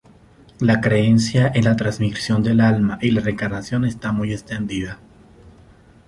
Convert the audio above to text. La creencia en la transmigración del alma y la reencarnación está muy extendida.